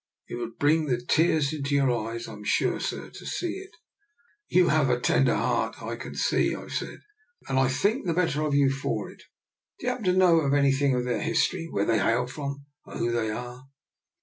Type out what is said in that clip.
It would bring the tears into your eyes, I'm sure, sir, to see it." " You have a tender heart, I can see," I said, "and I think the better of you for it. Do you happen to know anything of their history — ^where they hail from or who they are?